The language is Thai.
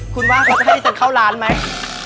คุณว่าเขาจะให้ฉันเข้าร้านไหม